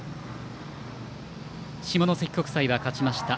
下関国際が勝ちました。